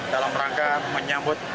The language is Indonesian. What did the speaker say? dalam rangka menyambut